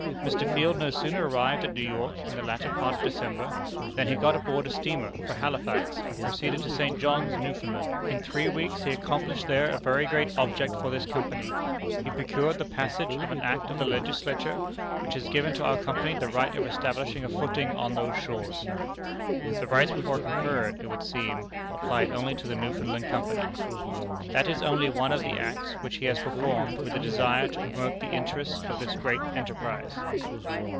Mr. Field no sooner arrived at New York, in the latter part of December, than he got aboard a steamer for Halifax, and proceeded to St. John's, Newfoundland. In three weeks he accomplished there a very great object for this Company. He procured the passage of an Act of the Legislature which has given to our Company the right of establishing a footing on those shores. [The rights before conferred, it would seem, applied only to the Newfoundland Company.] That is only one of the acts which he has performed with a desire to promote the interests of this great enterprise."